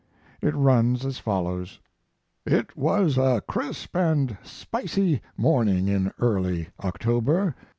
It runs as follows: It was a crisp and spicy morning in early October.